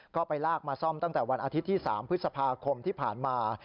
ก็ไปลากมาซ่อมตั้งแต่วันอาทิตย์ที่๓พฤษภาคมที่ผ่านมา